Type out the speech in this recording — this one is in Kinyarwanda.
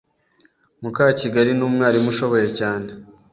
Mukakigali numwarimu ushoboye cyane.